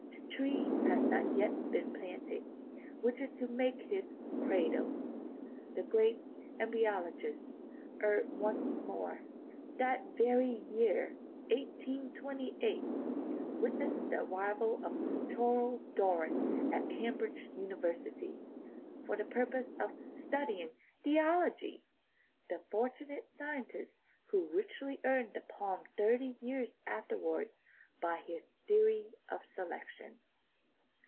The tree has not yet been planted which is to make his cradle." The great embryologist erred once more. That very year, 1828, witnessed the arrival of Charles Darwin at Cambridge University (for the purpose of studying theology!) the "fortunate scientist" who richly earned the palm thirty years afterwards by his theory of selection.